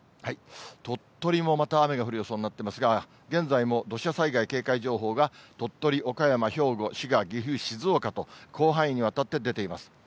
鳥取もまた雨が降る予想になっていますが、現在も土砂災害警戒情報が鳥取、岡山、兵庫、滋賀、岐阜、静岡と、広範囲にわたって出ています。